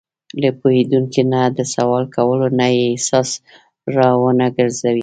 له پوهېدونکي نه د سوال کولو نه یې احساس را ونهګرځوي.